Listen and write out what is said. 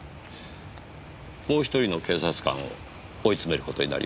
もう１人の警察官を追い詰める事になります。